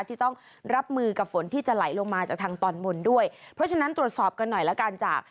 ที่ต้องรับมือกับฝนที่จะไหลลงมาจากทางตอนบนด้วยเพราะฉะนั้นตรวจสอบกันหน่อยแล้วกันจาก